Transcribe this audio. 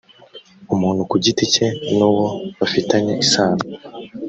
umuntu ku giti cye n uwo bafitanye isano